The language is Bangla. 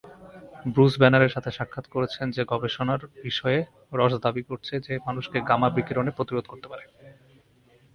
ব্রুস ব্যানারের সাথে সাক্ষাত করেছেন যে গবেষণার বিষয়ে রস দাবি করেছে যে মানুষকে গামা বিকিরণের প্রতিরোধ করতে পারে।